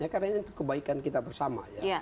karena itu kebaikan kita bersama